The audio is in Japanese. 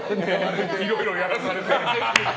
いろいろやらされて。